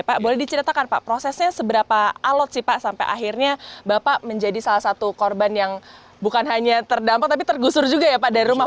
bapak boleh diceritakan prosesnya seberapa alut sampai akhirnya bapak menjadi salah satu korban yang bukan hanya terdampak tapi tergusur juga ya pak dari rumah